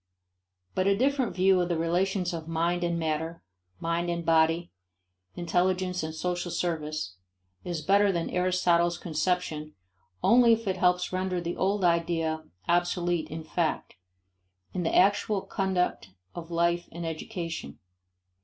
But a different view of the relations of mind and matter, mind and body, intelligence and social service, is better than Aristotle's conception only if it helps render the old idea obsolete in fact in the actual conduct of life and education.